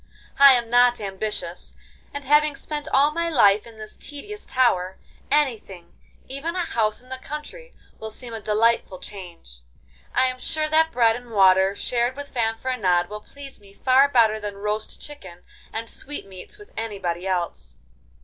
I am not ambitious, and having spent all my life in this tedious tower, anything—even a house in the country—will seem a delightful change. I am sure that bread and water shared with Fanfaronade will please me far better than roast chicken and sweetmeats with anybody else.